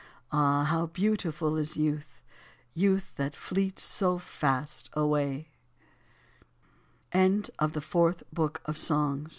Ah, how beautiful is youth, Youth that fleets so fast away I THE FIFTH BOOK OF SONGS